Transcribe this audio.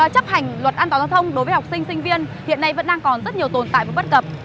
chấp hành luật an toàn giao thông đối với học sinh sinh viên hiện nay vẫn đang còn rất nhiều tồn tại và bất cập